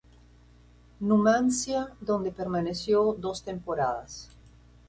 Numancia, donde permaneció dos temporadas.